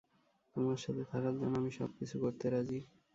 তোমার সাথে থাকার জন্য আমি সবকিছু করতে রাজী।